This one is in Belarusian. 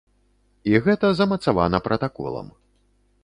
І гэта замацавана пратаколам.